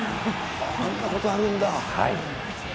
あんなことあるんだ。